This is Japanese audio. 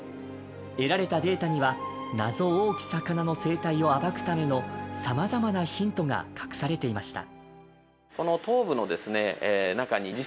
得られたデータには謎多き魚の生態を暴くためのさまざまなヒントが隠されていました。